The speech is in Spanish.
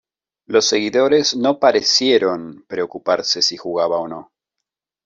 Los seguidores no parecieron preocuparse si jugaba o no.